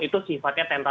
itu sifatnya tenta